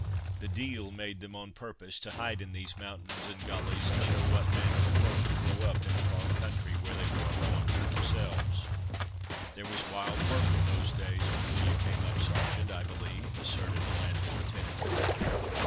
the de'il made them on purpose to hide in these mountains and gullies, and show what manner of folk could grow up in a far country, where they were a law unto themselves." "There was wild work in those days before you came up, Sergeant, I believe!" asserted the landlord, tentatively.